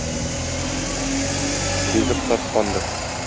Ризык тарткандыр.